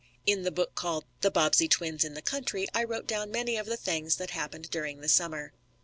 In the book called "The Bobbsey Twins in the Country," I wrote down many of the things that happened during the summer.